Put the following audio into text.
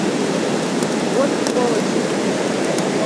— Вот сволочи!..